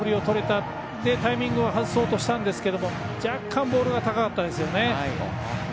そしてタイミングを外そうとしたんですけど若干、ボールが高かったですね。